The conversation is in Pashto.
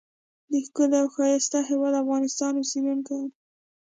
دښکلی او ښایسته هیواد افغانستان اوسیدونکی یم.